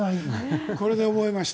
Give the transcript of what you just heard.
これで覚えました。